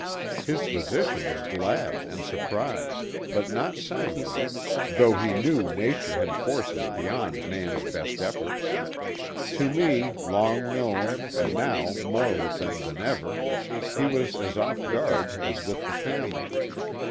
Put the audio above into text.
His physician was glad and surprised, but not sanguine, though he knew Nature had forces beyond man's best efforts. THE GOOD SAMARITAN. 175 To me, long known, and now more with them than ever, he was as off guard as with the family.